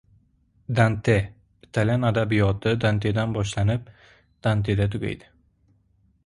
Dante. Italyan adabiyoti Dantedan boshlanib, Danteda tugaydi.